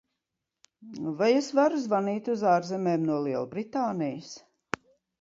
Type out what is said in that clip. Vai es varu zvanīt uz ārzemēm no Lielbritānijas?